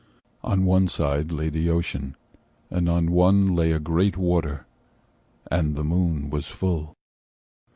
On one side lay the Ocean, and on one Lay a great water, and the moon was full.